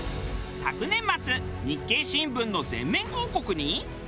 昨年末『日経新聞』の全面広告に。